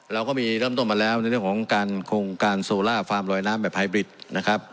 เราก็มีเริ่มต้นมาแล้วในเรื่องของการโครงการโซล่าฟาร์มลอยน้ำแบบไฮบริดนะครับ